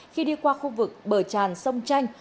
khi đi qua khu vực bờ tràn sông tranh